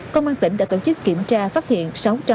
công an tỉnh đã tổ chức kiểm tra phát hiện